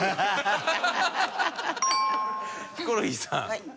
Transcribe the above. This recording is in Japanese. ヒコロヒーさん。